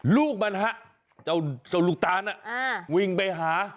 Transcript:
ลูกตานะลูกตาวิ่งไปหา